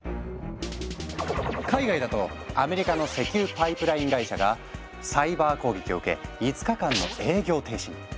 海外だとアメリカの石油パイプライン会社がサイバー攻撃を受け５日間の営業停止に。